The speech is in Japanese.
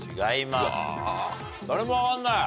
誰も分かんない？